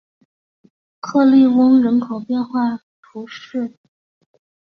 克利翁人口变化图示